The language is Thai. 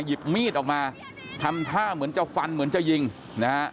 หยิบมีดออกมาทำท่าเหมือนจะฟันเหมือนจะยิงนะฮะ